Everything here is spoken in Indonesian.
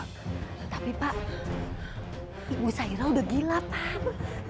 tapi pak ibu syairah udah gila pak